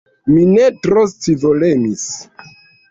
Mi ne tro scivolemis.